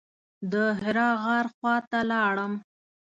د حرا غار خواته لاړم.